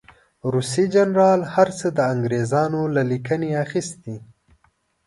روسي جنرال هر څه د انګرېزانو له لیکنو اخیستي.